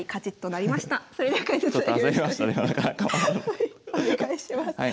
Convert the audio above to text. はいお願いします。